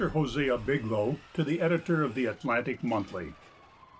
HOSEA BIGLOW TO THE EDITOR OF THE ATLANTIC MONTHLY.